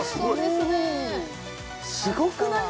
すごくない？